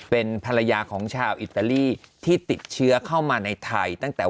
เป็นภรรยาของชาวอิตาลีที่ติดเชื้อเข้ามาในไทยตั้งแต่